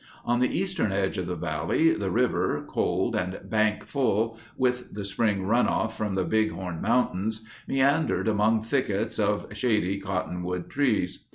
On the eastern edge of the valley the river, cold and bank full with the spring runoff from the Big Horn Mountains, meandered among thickets of shady cottonwood trees.